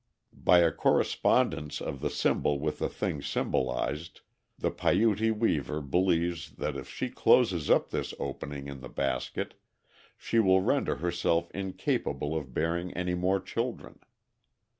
By a correspondence of the symbol with the thing symbolized, the Paiuti weaver believes that if she closes up this opening in the basket, she will render herself incapable of bearing any more children.